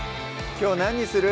きょう何にする？